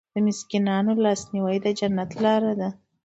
د مسکینانو لاسنیوی د جنت لاره ده.